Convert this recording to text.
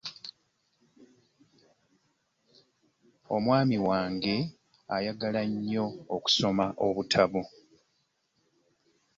Omwami wange ayagala nnyo okusoma obutabo.